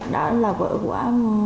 đã là vợ của